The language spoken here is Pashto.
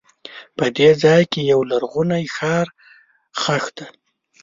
په دې ځای کې یو لرغونی ښار ښخ دی.